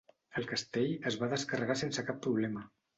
El castell es va descarregar sense cap problema.